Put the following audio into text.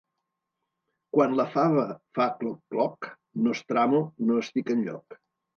Quan la fava fa cloc-cloc, nostramo, no estic enlloc.